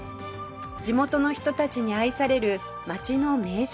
地元の人たちに愛される街の名所です